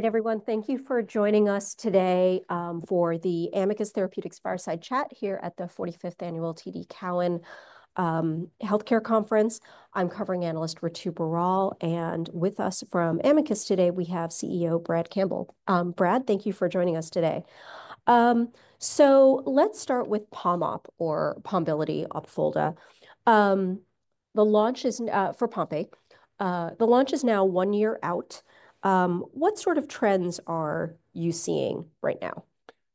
Hey, everyone. Thank you for joining us today for the Amicus Therapeutics Fireside Chat here at the 45th Annual TD Cowen Healthcare Conference. I'm covering analyst Ritu Baral, and with us from Amicus today, we have CEO Brad Campbell. Brad, thank you for joining us today. So let's start with PomOp, or Pombiliti, Opfolda. The launch is for Pompe. The launch is now one year out. What sort of trends are you seeing right now?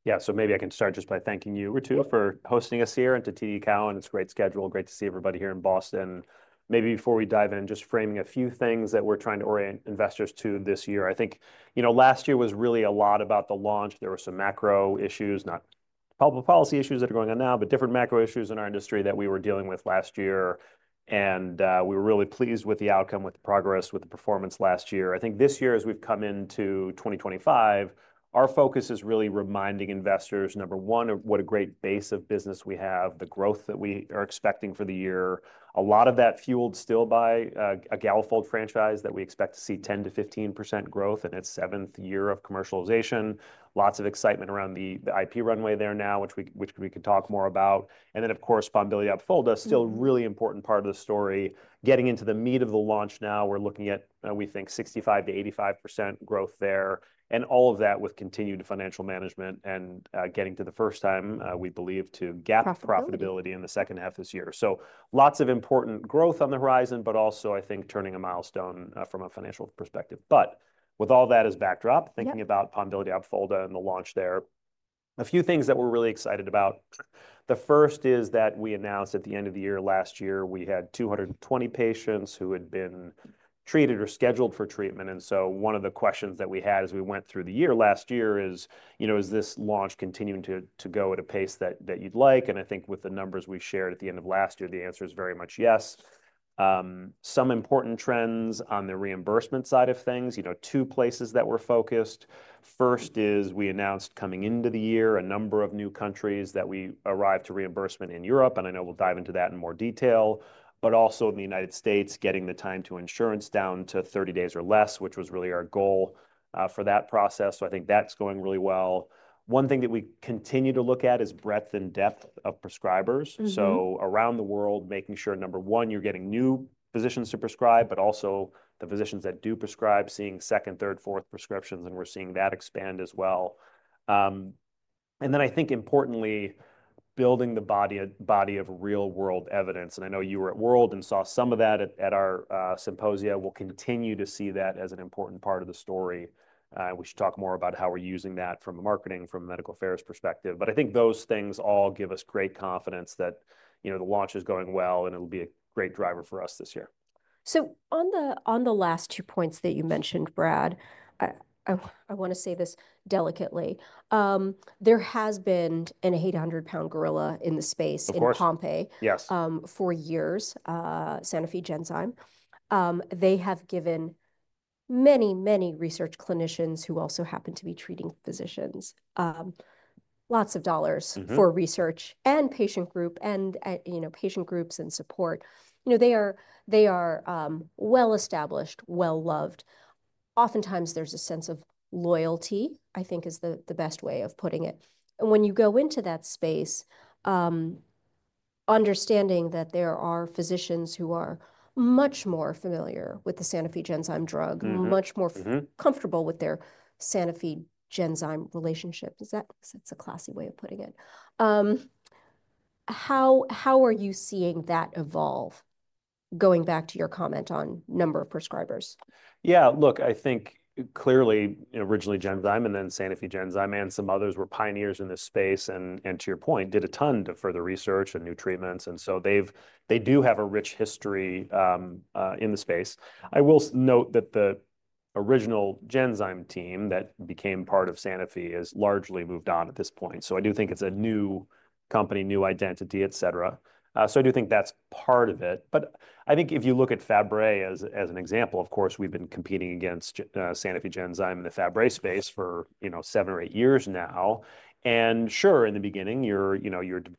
Yeah, so maybe I can start just by thanking you, Ritu, for hosting us here at TD Cowen. It's a great schedule. Great to see everybody here in Boston. Maybe before we dive in, just framing a few things that we're trying to orient investors to this year. I think, you know, last year was really a lot about the launch. There were some macro issues, not public policy issues that are going on now, but different macro issues in our industry that we were dealing with last year, and we were really pleased with the outcome, with the progress, with the performance last year. I think this year, as we've come into 2025, our focus is really reminding investors, number one, of what a great base of business we have, the growth that we are expecting for the year. A lot of that fueled still by a Galafold franchise that we expect to see 10% to 15% growth in its seventh year of commercialization, lots of excitement around the IP runway there now, which we could talk more about, and then, of course, Pombiliti Opfolda is still a really important part of the story. Getting into the meat of the launch now, we're looking at, we think, 65% to 85% growth there. And all of that with continued financial management and getting to the first time, we believe, to GAAP profitability in the second half of this year, so lots of important growth on the horizon, but also, I think, turning a milestone from a financial perspective, but with all that as backdrop, thinking about Pombiliti Opfolda and the launch there, a few things that we're really excited about. The first is that we announced at the end of the year last year, we had 220 patients who had been treated or scheduled for treatment, and so one of the questions that we had as we went through the year last year is, you know, is this launch continuing to go at a pace that you'd like? And I think with the numbers we shared at the end of last year, the answer is very much yes. Some important trends on the reimbursement side of things, you know, two places that we're focused. First is we announced coming into the year a number of new countries that we arrived to reimbursement in Europe, and I know we'll dive into that in more detail, but also in the United States, getting the time to insurance down to 30 days or less, which was really our goal for that process. So I think that's going really well. One thing that we continue to look at is breadth and depth of prescribers. So around the world, making sure, number one, you're getting new physicians to prescribe, but also the physicians that do prescribe, seeing second, third, fourth prescriptions, and we're seeing that expand as well. And then I think, importantly, building the body of real-world evidence. And I know you were at World and saw some of that at our symposia. We'll continue to see that as an important part of the story. We should talk more about how we're using that from marketing, from a medical affairs perspective. But I think those things all give us great confidence that, you know, the launch is going well and it'll be a great driver for us this year. So on the last two points that you mentioned, Brad, I want to say this delicately. There has been an 800-pound gorilla in the space in Pompe. Of course. Yes. For years, Sanofi Genzyme. They have given many, many research clinicians who also happen to be treating physicians lots of dollars for research and patient group and, you know, patient groups and support. You know, they are well-established, well-loved. Oftentimes, there's a sense of loyalty, I think, is the best way of putting it. And when you go into that space, understanding that there are physicians who are much more familiar with the Sanofi Genzyme drug, much more comfortable with their Sanofi Genzyme relationship, because that's a classy way of putting it. How are you seeing that evolve going back to your comment on number of prescribers? Yeah, look, I think clearly, originally Genzyme and then Sanofi Genzyme and some others were pioneers in this space and, to your point, did a ton of further research and new treatments. And so they do have a rich history in the space. I will note that the original Genzyme team that became part of Sanofi has largely moved on at this point. So I do think it's a new company, new identity, et cetera. So I do think that's part of it. But I think if you look at Fabry as an example, of course, we've been competing against Sanofi Genzyme in the Fabry space for, you know, seven or eight years now. And sure, in the beginning, you're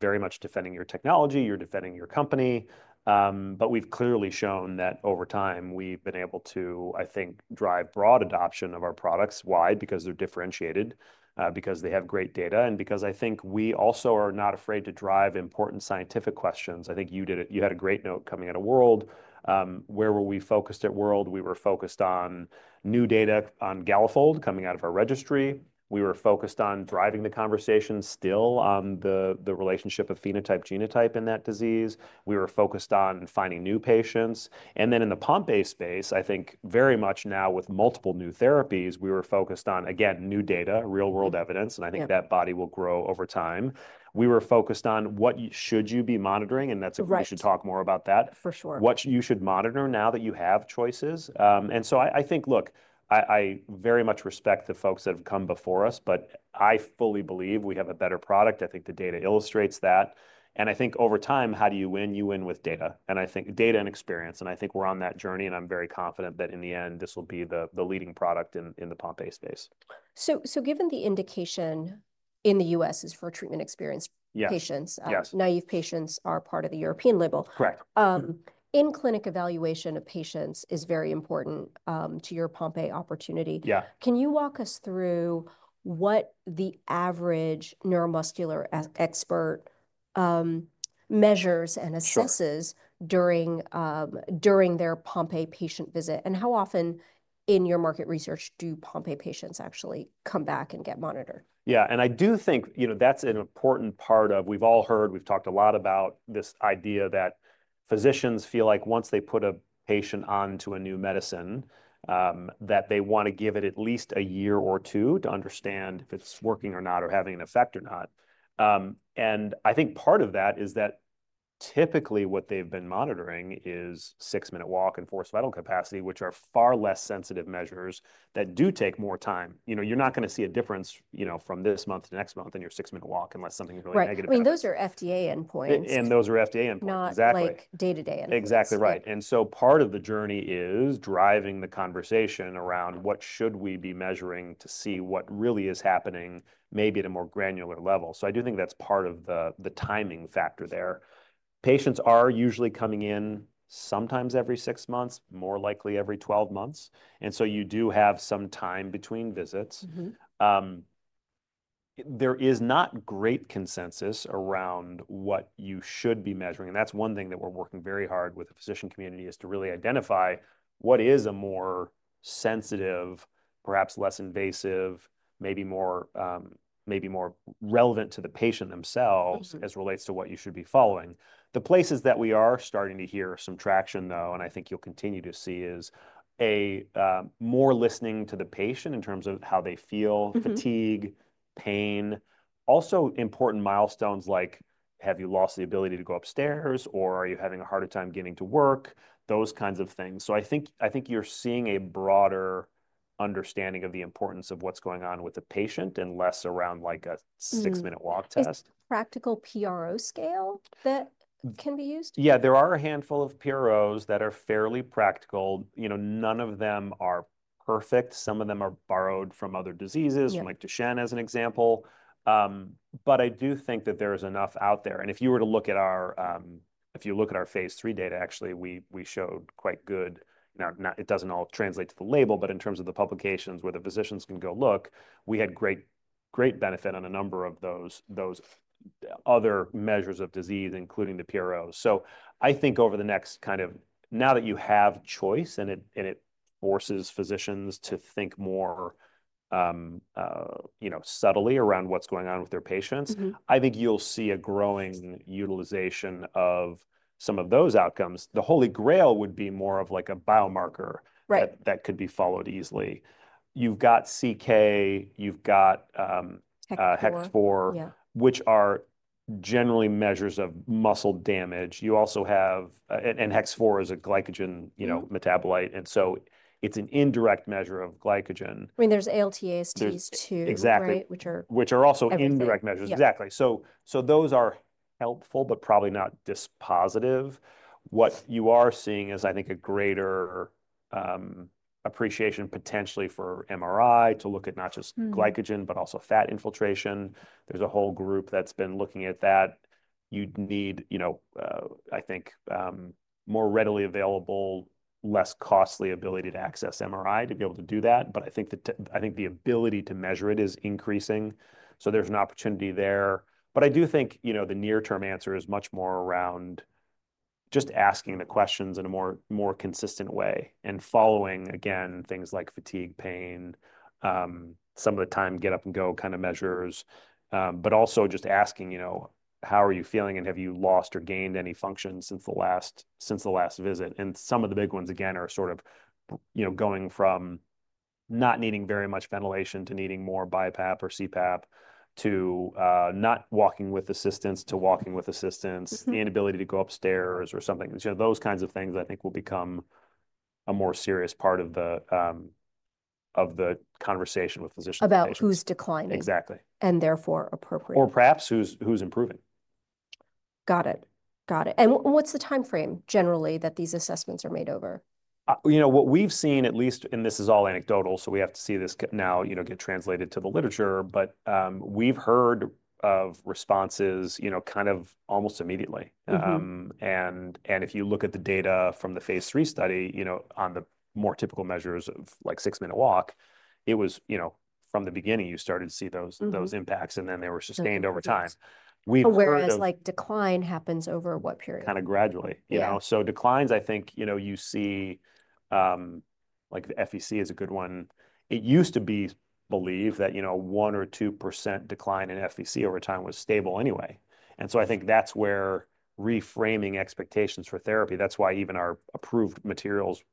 very much defending your technology, you're defending your company. But we've clearly shown that over time, we've been able to, I think, drive broad adoption of our products wide, because they're differentiated, because they have great data, and because I think we also are not afraid to drive important scientific questions. I think you did it. You had a great note coming out of World. Where were we focused at World? We were focused on new data on Galafold coming out of our registry. We were focused on driving the conversation still on the relationship of phenotype-genotype in that disease. We were focused on finding new patients. And then in the Pompe space, I think very much now with multiple new therapies, we were focused on, again, new data, real-world evidence. And I think that body will grow over time. We were focused on what should you be monitoring, and that's a we should talk more about that. For sure. What you should monitor now that you have choices. And so I think, look, I very much respect the folks that have come before us, but I fully believe we have a better product. I think the data illustrates that. And I think over time, how do you win? You win with data. And I think data and experience. And I think we're on that journey. And I'm very confident that in the end, this will be the leading product in the Pompe space. Given the indication in the US is for treatment experienced patients, naive patients are part of the European label. Correct. In-clinic evaluation of patients is very important to your Pompe opportunity. Yeah. Can you walk us through what the average neuromuscular expert measures and assesses during their Pompe patient visit? And how often in your market research do Pompe patients actually come back and get monitored? Yeah. And I do think, you know, that's an important part of we've all heard, we've talked a lot about this idea that physicians feel like once they put a patient onto a new medicine, that they want to give it at least a year or two to understand if it's working or not or having an effect or not. And I think part of that is that typically what they've been monitoring is 6 minutes walk and forced vital capacity, which are far less sensitive measures that do take more time. You know, you're not going to see a difference, you know, from this month to next month in your 6 minute walk unless something's really negative. Right. I mean, those are FDA endpoints. Those are FDA endpoints. Exactly. Not like day-to-day endpoints. Exactly right. And so part of the journey is driving the conversation around what should we be measuring to see what really is happening, maybe at a more granular level. So I do think that's part of the timing factor there. Patients are usually coming in sometimes every six months, more likely every 12 months. And so you do have some time between visits. There is not great consensus around what you should be measuring. And that's one thing that we're working very hard with the physician community is to really identify what is a more sensitive, perhaps less invasive, maybe more relevant to the patient themselves as it relates to what you should be following. The places that we are starting to hear some traction, though, and I think you'll continue to see is more listening to the patient in terms of how they feel, fatigue, pain. Also, important milestones like, have you lost the ability to go upstairs or are you having a harder time getting to work? Those kinds of things. So I think you're seeing a broader understanding of the importance of what's going on with the patient and less around like a 6 minute walk test. Is there a practical PRO scale that can be used? Yeah, there are a handful of PROs that are fairly practical. You know, none of them are perfect. Some of them are borrowed from other diseases, like Duchenne as an example. But I do think that there is enough out there. And if you look at our phase 3 data, actually, we showed quite good. It doesn't all translate to the label, but in terms of the publications where the physicians can go look, we had great benefit on a number of those other measures of disease, including the PROs. So I think over the next kind of now that you have choice and it forces physicians to think more, you know, subtly around what's going on with their patients, I think you'll see a growing utilization of some of those outcomes. The Holy Grail would be more of like a biomarker that could be followed easily. You've got CK, you've got Hex4, which are generally measures of muscle damage. You also have Hex4 is a glycogen, you know, metabolite. So it's an indirect measure of glycogen. I mean, there's ALT, ASTs too, right? Exactly. Which are also indirect measures. Exactly. So those are helpful, but probably not dispositive. What you are seeing is, I think, a greater appreciation potentially for MRI to look at not just glycogen, but also fat infiltration. There's a whole group that's been looking at that. You'd need, you know, I think, more readily available, less costly ability to access MRI to be able to do that. But I think the ability to measure it is increasing. So there's an opportunity there. But I do think, you know, the near-term answer is much more around just asking the questions in a more consistent way and following, again, things like fatigue, pain. Some of the time get up and go kind of measures, but also just asking, you know, how are you feeling and have you lost or gained any function since the last visit? Some of the big ones, again, are sort of, you know, going from not needing very much ventilation to needing more BiPAP or CPAP to not walking with assistance to walking with assistance, the inability to go upstairs or something. You know, those kinds of things, I think, will become a more serious part of the conversation with physicians. About who's declining. Exactly. Therefore appropriate. Or perhaps who's improving. Got it. Got it. What's the time frame generally that these assessments are made over? You know, what we've seen, at least, and this is all anecdotal, so we have to see this now, you know, get translated to the literature, but we've heard of responses, you know, kind of almost immediately, and if you look at the data from the phase three study, you know, on the more typical measures of like 6 minute walk, it was, you know, from the beginning you started to see those impacts and then they were sustained over time. Awareness, like, decline happens over what period? Kind of gradually. You know, so declines, I think, you know, you see like FVC is a good one. It used to be believed that, you know, 1% or 2% decline in FVC over time was stable anyway. And so I think that's where reframing expectations for therapy. That's why even our approved materials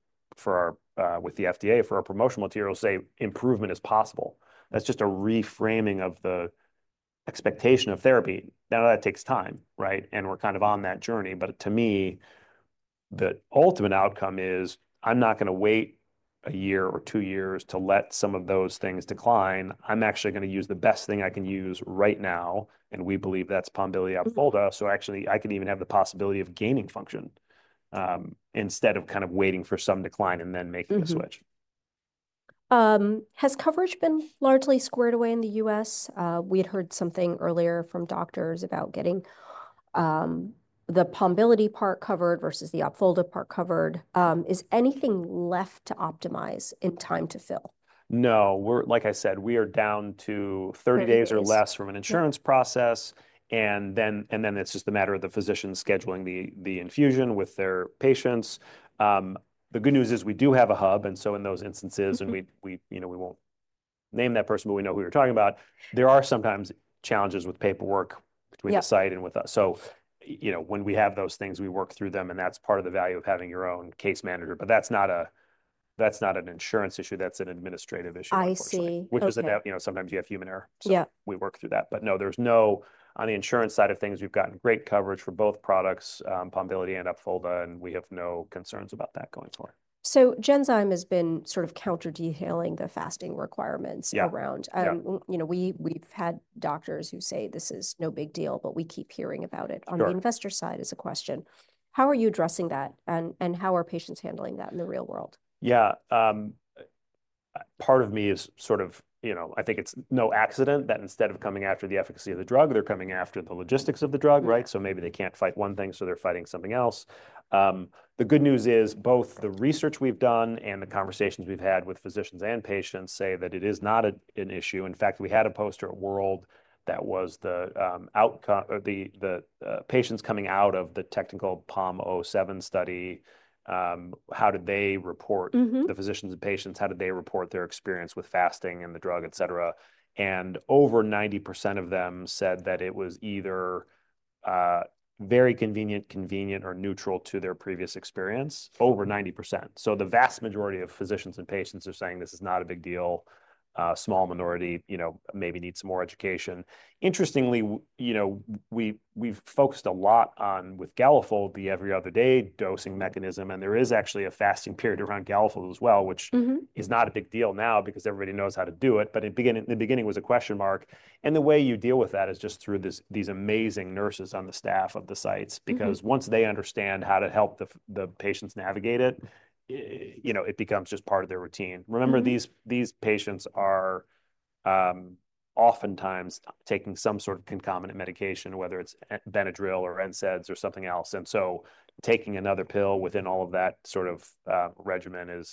with the FDA for our promotional materials say improvement is possible. That's just a reframing of the expectation of therapy. Now that takes time, right? And we're kind of on that journey. But to me, the ultimate outcome is I'm not going to wait a year or two years to let some of those things decline. I'm actually going to use the best thing I can use right now. And we believe that's Pombiliti Opfolda. So actually, I can even have the possibility of gaining function instead of kind of waiting for some decline and then making a switch. Has coverage been largely squared away in the US? We had heard something earlier from doctors about getting the Pombiliti part covered versus the Opfolda part covered. Is anything left to optimize in time to fill? No. Like I said, we are down to 30 days or less from an insurance process, and then it's just a matter of the physician scheduling the infusion with their patients. The good news is we do have a hub, and so in those instances, and we, you know, we won't name that person, but we know who you're talking about. There are sometimes challenges with paperwork between the site and with us. So, you know, when we have those things, we work through them, and that's part of the value of having your own case manager, but that's not an insurance issue. That's an administrative issue. I see. Which is, you know, sometimes you have human error. So we work through that. But no, there's no on the insurance side of things, we've gotten great coverage for both products, Pombiliti and Opfolda, and we have no concerns about that going forward. So Genzyme has been sort of counter-detailing the fasting requirements around, you know, we've had doctors who say this is no big deal, but we keep hearing about it. On the investor side is a question. How are you addressing that? And how are patients handling that in the real world? Yeah. Part of me is sort of, you know, I think it's no accident that instead of coming after the efficacy of the drug, they're coming after the logistics of the drug, right? So maybe they can't fight one thing, so they're fighting something else. The good news is both the research we've done and the conversations we've had with physicians and patients say that it is not an issue. In fact, we had a poster at World that was the patients coming out of the technical POM-07 study. How did they report the physicians and patients? How did they report their experience with fasting and the drug, et cetera? And over 90% of them said that it was either very convenient, convenient, or neutral to their previous experience. Over 90%. So the vast majority of physicians and patients are saying this is not a big deal. Small minority, you know, maybe needs some more education. Interestingly, you know, we've focused a lot on with Galafold, the every other day dosing mechanism. And there is actually a fasting period around Galafold as well, which is not a big deal now because everybody knows how to do it. But in the beginning, it was a question mark. And the way you deal with that is just through these amazing nurses on the staff of the sites. Because once they understand how to help the patients navigate it, you know, it becomes just part of their routine. Remember, these patients are oftentimes taking some sort of concomitant medication, whether it's Benadryl or NSAIDs or something else. And so taking another pill within all of that sort of regimen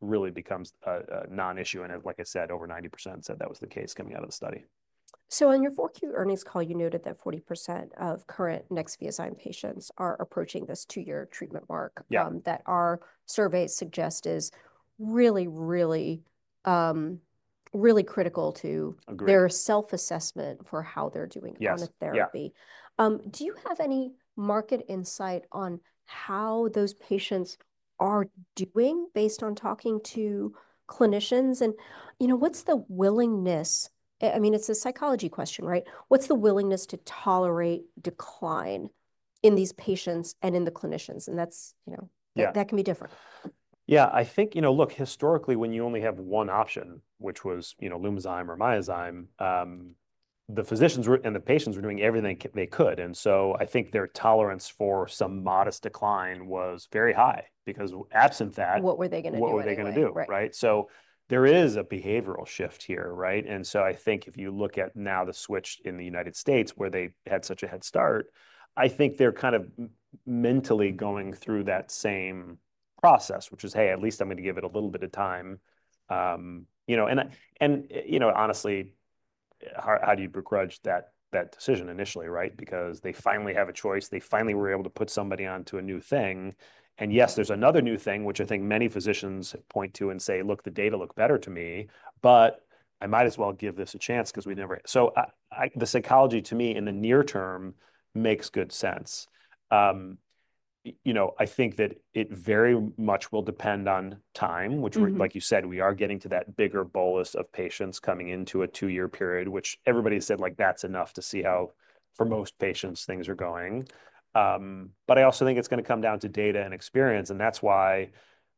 really becomes a non-issue. And like I said, over 90% said that was the case coming out of the study. On your Q4 earnings call, you noted that 40% of current Nexviazyme patients are approaching this 2 year treatment mark. That, our survey suggests, is really, really, really critical to their self-assessment for how they're doing on the therapy. Do you have any market insight on how those patients are doing based on talking to clinicians? And, you know, what's the willingness? I mean, it's a psychology question, right? What's the willingness to tolerate decline in these patients and in the clinicians? And that's, you know, that can be different. Yeah. I think, you know, look, historically, when you only have one option, which was, you know, Lumizyme or Myozyme, the physicians and the patients were doing everything they could. And so I think their tolerance for some modest decline was very high because absent that. What were they going to do? What were they going to do, right, so there is a behavioral shift here, right, and so I think if you look at now the switch in the United States where they had such a head start, I think they're kind of mentally going through that same process, which is, hey, at least I'm going to give it a little bit of time, you know, and, you know, honestly, how do you begrudge that decision initially, right, because they finally have a choice, they finally were able to put somebody onto a new thing, and yes, there's another new thing, which I think many physicians point to and say, look, the data look better to me. But I might as well give this a chance because we never, so the psychology to me in the near term makes good sense. You know, I think that it very much will depend on time, which, like you said, we are getting to that bigger bolus of patients coming into a 2 year period, which everybody said like that's enough to see how for most patients things are going. But I also think it's going to come down to data and experience. And that's why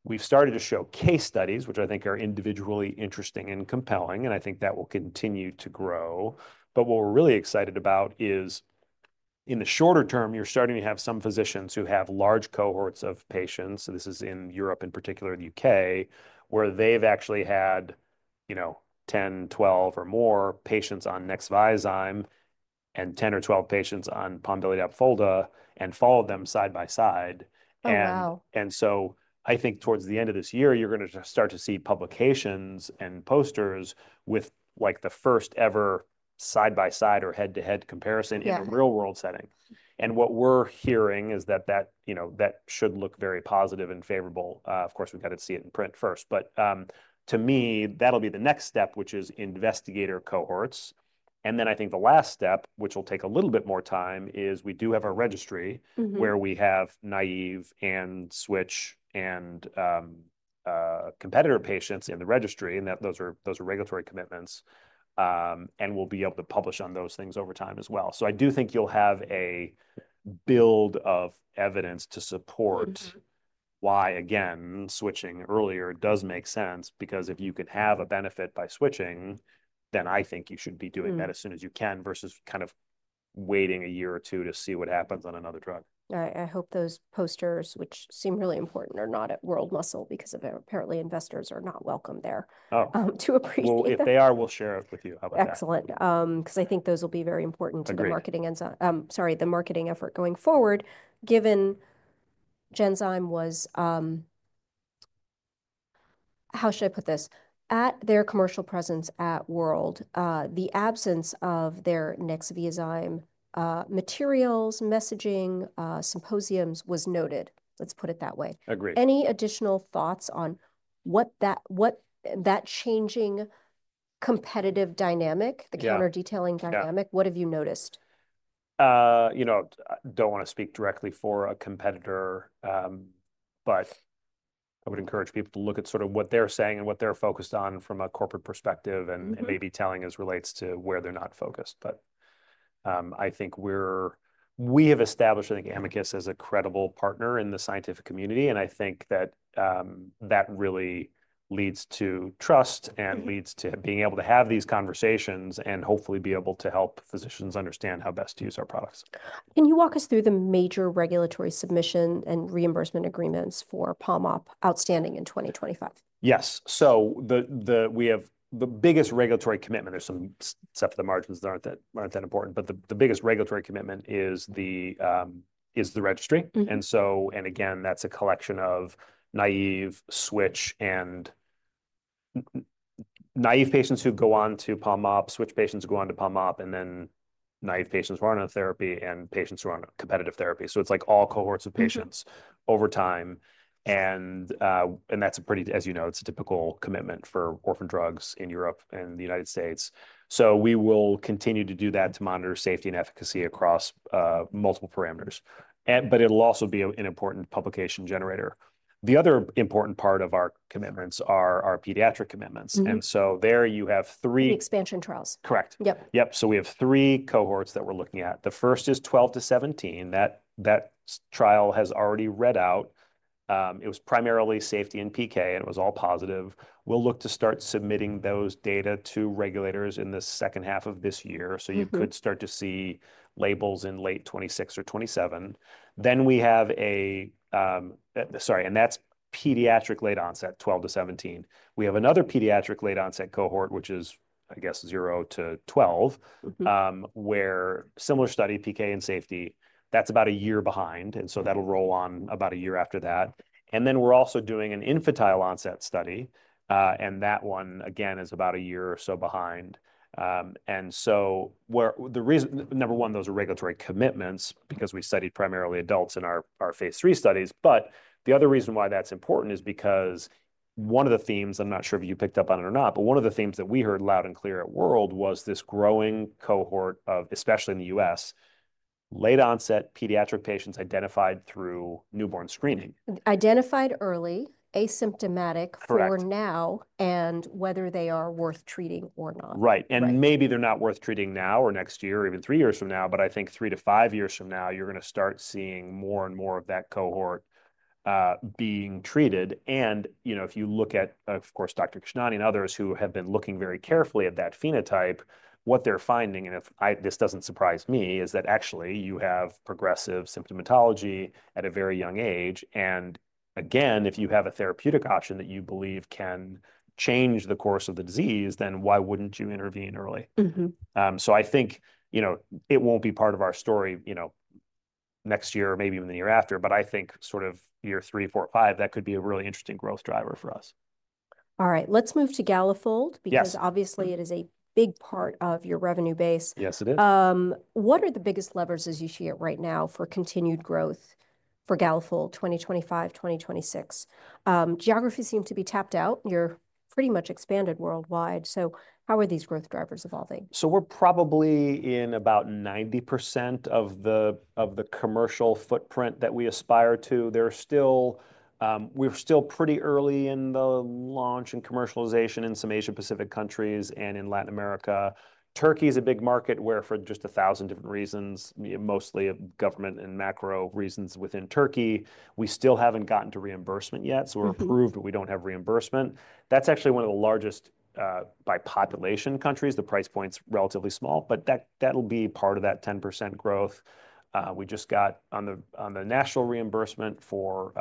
we've started to show case studies, which I think are individually interesting and compelling. And I think that will continue to grow. But what we're really excited about is in the shorter term, you're starting to have some physicians who have large cohorts of patients. So this is in Europe in particular, the UK, where they've actually had, you know, 10, 12 or more patients on Nexviazyme and 10 or 12 patients on Pombiliti Opfolda and followed them side by side. And so I think towards the end of this year, you're going to start to see publications and posters with like the first ever side by side or head-to-head comparison in a real-world setting. And what we're hearing is that that, you know, that should look very positive and favorable. Of course, we've got to see it in print first. But to me, that'll be the next step, which is investigator cohorts. And then I think the last step, which will take a little bit more time, is we do have a registry where we have Naive and Switch and competitor patients in the registry. And those are regulatory commitments. And we'll be able to publish on those things over time as well. So I do think you'll have a build of evidence to support why, again, switching earlier does make sense. Because if you can have a benefit by switching, then I think you should be doing that as soon as you can versus kind of waiting a year or two to see what happens on another drug. I hope those posters, which seem really important, are not at World Muscle because apparently investors are not welcome there to appreciate them. If they are, we'll share it with you. How about that? Excellent. Because I think those will be very important to the marketing and, sorry, the marketing effort going forward. Given Genzyme was, how should I put this, at their commercial presence at World, the absence of their Nexviazyme materials, messaging, symposiums was noted. Let's put it that way. Agreed. Any additional thoughts on what that changing competitive dynamic, the counter-detailing dynamic? What have you noticed? You know, I don't want to speak directly for a competitor, but I would encourage people to look at sort of what they're saying and what they're focused on from a corporate perspective and maybe telling as relates to where they're not focused. But I think we have established, I think, Amicus as a credible partner in the scientific community. And I think that that really leads to trust and leads to being able to have these conversations and hopefully be able to help physicians understand how best to use our products. Can you walk us through the major regulatory submission and reimbursement agreements for PomOp outstanding in 2025? Yes. So the biggest regulatory commitment, there's some stuff at the margins that aren't that important, but the biggest regulatory commitment is the registry. And so, and again, that's a collection of naive, switch, and naive patients who go on to PomOp, switch patients who go on to PomOp, and then naive patients who are on a therapy and patients who are on a competitive therapy. So it's like all cohorts of patients over time. And that's a pretty, as you know, it's a typical commitment for orphan drugs in Europe and the United States. So we will continue to do that to monitor safety and efficacy across multiple parameters. But it'll also be an important publication generator. The other important part of our commitments are our pediatric commitments. And so there you have three. Expansion trials. Correct. Yep. Yep. So we have three cohorts that we're looking at. The first is 12 to 17. That trial has already read out. It was primarily safety and PK, and it was all positive. We'll look to start submitting those data to regulators in the second half of this year. So you could start to see labels in late 2026 or 2027. Then we have a, sorry, and that's pediatric late onset, 12 to 17. We have another pediatric late onset cohort, which is, I guess, 0 to 12, where similar study, PK and safety, that's about a year behind. And so that'll roll on about a year after that. And then we're also doing an infantile onset study. And that one, again, is about a year or so behind. And so the reason, number one, those are regulatory commitments because we studied primarily adults in our phase three studies. But the other reason why that's important is because one of the themes, I'm not sure if you picked up on it or not, but one of the themes that we heard loud and clear at World was this growing cohort of, especially in the US, late onset pediatric patients identified through newborn screening. Identified early, asymptomatic for now, and whether they are worth treating or not. Right, and maybe they're not worth treating now or next year or even three years from now, but I think three to five years from now, you're going to start seeing more and more of that cohort being treated, and, you know, if you look at, of course, Dr. Kishnani and others who have been looking very carefully at that phenotype, what they're finding, and this doesn't surprise me, is that actually you have progressive symptomatology at a very young age. And again, if you have a therapeutic option that you believe can change the course of the disease, then why wouldn't you intervene early, so I think, you know, it won't be part of our story, you know, next year, maybe even the year after, but I think sort of year three, four, five, that could be a really interesting growth driver for us. All right. Let's move to Galafold because obviously it is a big part of your revenue base. Yes, it is. What are the biggest levers as you see it right now for continued growth for Galafold 2025, 2026? Geography seems to be tapped out. You're pretty much expanded worldwide. So how are these growth drivers evolving? So we're probably in about 90% of the commercial footprint that we aspire to. We're still pretty early in the launch and commercialization in some Asia-Pacific countries and in Latin America. Turkey is a big market where for just a thousand different reasons, mostly government and macro reasons within Turkey, we still haven't gotten to reimbursement yet. So we're approved, but we don't have reimbursement. That's actually one of the largest by population countries. The price point's relatively small, but that'll be part of that 10% growth. We just got on the national reimbursement for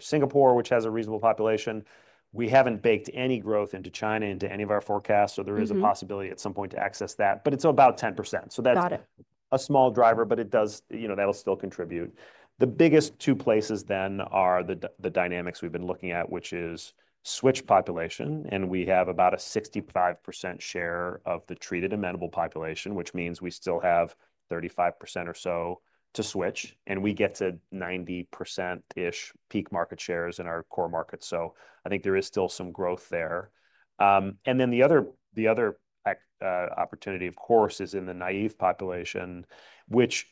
Singapore, which has a reasonable population. We haven't baked any growth into China into any of our forecasts. So there is a possibility at some point to access that, but it's about 10%. So that's a small driver, but it does, you know, that'll still contribute. The biggest two places then are the dynamics we've been looking at, which is switch population. We have about a 65% share of the treated amenable population, which means we still have 35% or so to switch. We get to 90%-ish peak market shares in our core market. I think there is still some growth there. The other opportunity, of course, is in the naive population, which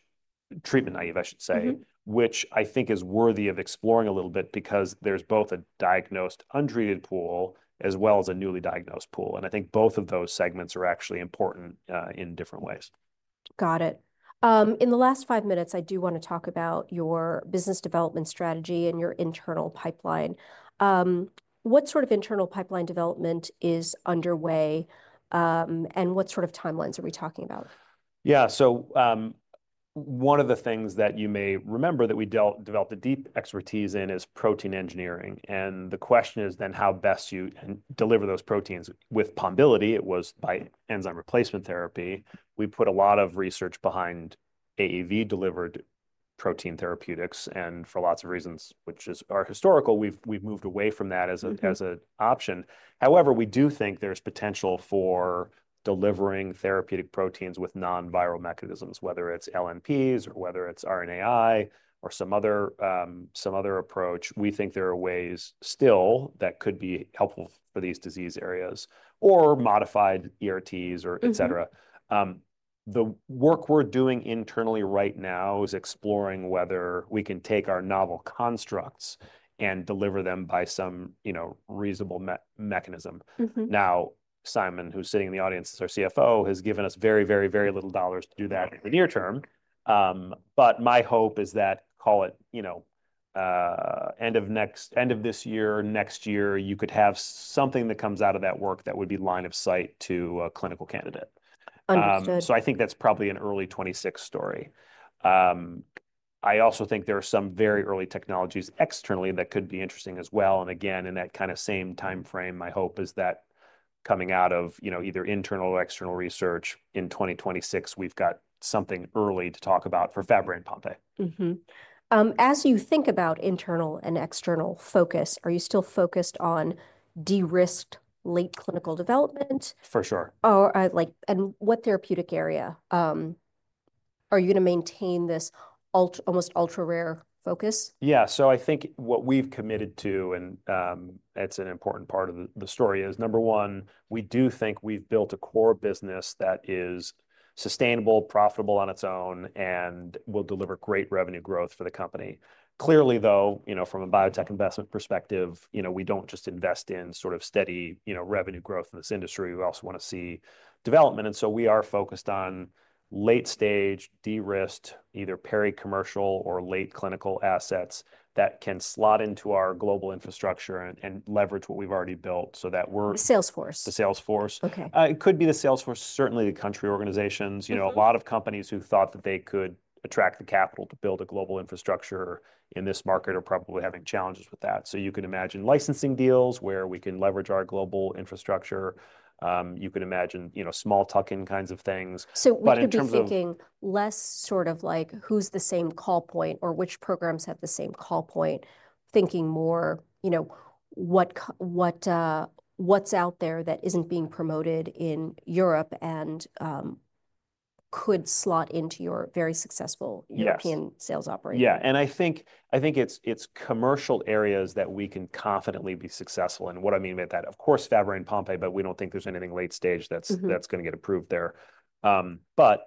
treatment naive, I should say, which I think is worthy of exploring a little bit because there's both a diagnosed untreated pool as well as a newly diagnosed pool. I think both of those segments are actually important in different ways. Got it. In the last five minutes, I do want to talk about your business development strategy and your internal pipeline. What sort of internal pipeline development is underway and what sort of timelines are we talking about? Yeah, so one of the things that you may remember that we developed a deep expertise in is protein engineering, and the question is then how best you deliver those proteins with Pombiliti. It was by enzyme replacement therapy. We put a lot of research behind AAV-delivered protein therapeutics and for lots of reasons, which is our historical, we've moved away from that as an option. However, we do think there's potential for delivering therapeutic proteins with non-viral mechanisms, whether it's LNPs or whether it's RNAi or some other approach. We think there are ways still that could be helpful for these disease areas or modified ERTs, etc. The work we're doing internally right now is exploring whether we can take our novel constructs and deliver them by some, you know, reasonable mechanism. Now, Simon, who's sitting in the audience, is our CFO, has given us very, very, very little dollars to do that in the near term. But my hope is that, call it, you know, end of this year, next year, you could have something that comes out of that work that would be line of sight to a clinical candidate. Understood. So I think that's probably an early 2026 story. I also think there are some very early technologies externally that could be interesting as well. And again, in that kind of same timeframe, my hope is that coming out of, you know, either internal or external research in 2026, we've got something early to talk about for Fabry and Pompe. As you think about internal and external focus, are you still focused on de-risked late clinical development? For sure. Oh, like, and what therapeutic area? Are you going to maintain this almost ultra-rare focus? Yeah. So I think what we've committed to, and it's an important part of the story, is number one, we do think we've built a core business that is sustainable, profitable on its own, and will deliver great revenue growth for the company. Clearly, though, you know, from a biotech investment perspective, you know, we don't just invest in sort of steady, you know, revenue growth in this industry. We also want to see development. And so we are focused on late-stage de-risked, either peri-commercial or late clinical assets that can slot into our global infrastructure and leverage what we've already built so that we're. The Sales force. The sales force. It could be the sales force, certainly the country organizations. You know, a lot of companies who thought that they could attract the capital to build a global infrastructure in this market are probably having challenges with that. So you can imagine licensing deals where we can leverage our global infrastructure. You can imagine, you know, small tuck-ing kinds of things. So maybe you're thinking less sort of like who's the same call point or which programs have the same call point, thinking more, you know, what's out there that isn't being promoted in Europe and could slot into your very successful European sales operation. Yeah. And I think it's commercial areas that we can confidently be successful. And what I mean by that, of course, Fabry and Pompe, but we don't think there's anything late stage that's going to get approved there. But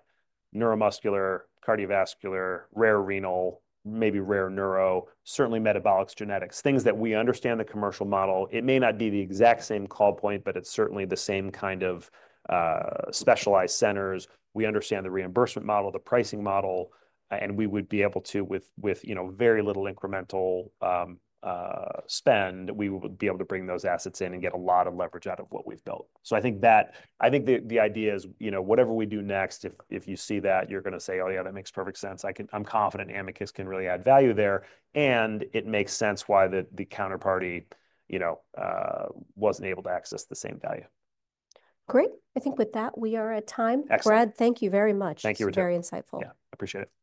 neuromuscular, cardiovascular, rare renal, maybe rare neuro, certainly metabolics, genetics, things that we understand the commercial model. It may not be the exact same call point, but it's certainly the same kind of specialized centers. We understand the reimbursement model, the pricing model, and we would be able to, with, you know, very little incremental spend, we would be able to bring those assets in and get a lot of leverage out of what we've built. So I think that I think the idea is, you know, whatever we do next, if you see that, you're going to say, "Oh yeah, that makes perfect sense. I'm confident Amicus can really add value there, and it makes sense why the counterparty, you know, wasn't able to access the same value. Great. I think with that, we are at time. Excellent. Brad, thank you very much. Thank you, Ritu. It's very insightful. Yeah. I appreciate it.